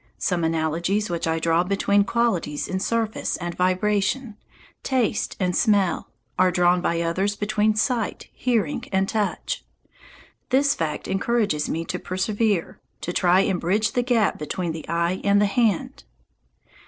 Some analogies which I draw between qualities in surface and vibration, taste and smell, are drawn by others between sight, hearing, and touch. This fact encourages me to persevere, to try and bridge the gap between the eye and the hand.